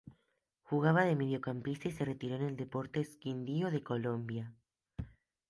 Jugaba de mediocampista y se retiró en el Deportes Quindío de Colombia.